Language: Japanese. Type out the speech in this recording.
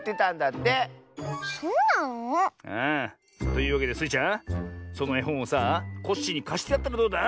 というわけでスイちゃんそのえほんをさあコッシーにかしてやったらどうだ？